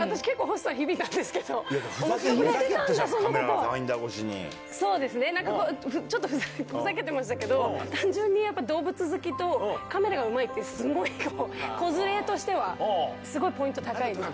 私、結構、ふざけてた、そうですね、なんかふざけてましたけど、単純に動物好きと、カメラがうまいって、子連れとしては、すごいポイント高いです。